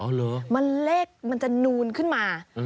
เหรอมันเลขมันจะนูนขึ้นมา